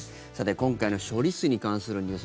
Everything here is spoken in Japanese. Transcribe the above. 今回の処理水に関するニュース